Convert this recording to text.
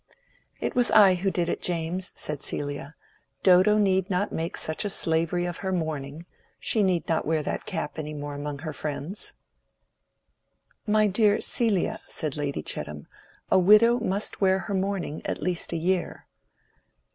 "It was I who did it, James," said Celia. "Dodo need not make such a slavery of her mourning; she need not wear that cap any more among her friends." "My dear Celia," said Lady Chettam, "a widow must wear her mourning at least a year."